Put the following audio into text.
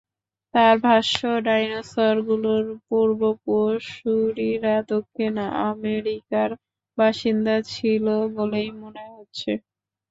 তাঁর ভাষ্য, ডাইনোসরগুলোর পূর্বসূরিরা দক্ষিণ আমেরিকার বাসিন্দা ছিল বলেই মনে হচ্ছে।